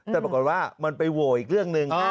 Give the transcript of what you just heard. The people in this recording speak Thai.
แต่ปรากฏว่ามันไปโหวอีกเรื่องหนึ่ง